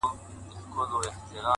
o زه درته دعا سهار ماښام كوم،